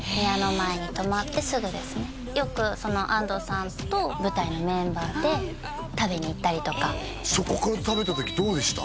前に止まってすぐですねよくその安藤さんと舞台のメンバーで食べに行ったりとか食べた時どうでした？